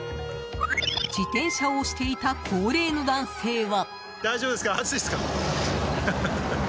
自転車を押していた高齢の男性は。